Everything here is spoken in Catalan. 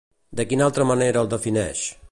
De quina altra manera el defineix?